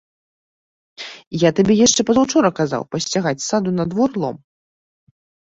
Я табе яшчэ пазаўчора казаў пасцягаць з саду на двор лом.